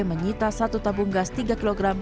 menyita satu tabung gas tiga kg